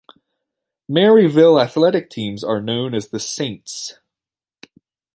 Maryville athletic teams are known as the "Saints".